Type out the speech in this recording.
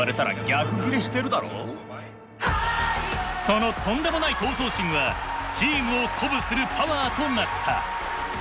そのとんでもない闘争心はチームを鼓舞するパワーとなった。